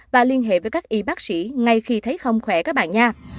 và liên hệ với các y bác sĩ ngay khi thấy không khỏe các bạn nha